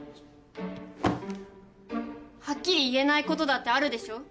はっきり言えないことだってあるでしょ？